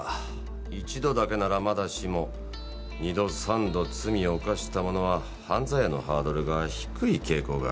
一度だけならまだしも二度三度罪を犯した者は犯罪へのハードルが低い傾向があります。